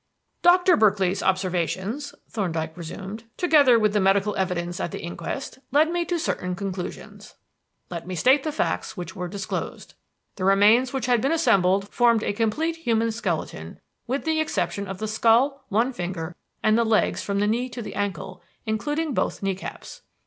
"Doctor Berkeley's observations," Thorndyke resumed, "together with the medical evidence at the inquest, led me to certain conclusions. "Let me state the facts which were disclosed. "The remains which had been assembled formed a complete human skeleton with the exception of the skull, one finger, and the legs from the knee to the ankle, including both knee caps.